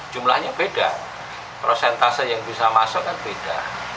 jumlahnya beda prosentase yang bisa masuk kan beda